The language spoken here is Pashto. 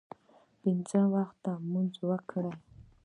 پنځه وخته لمونځ وکړئ